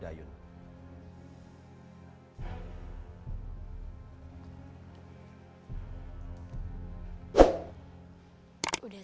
alina makasih oh tuhan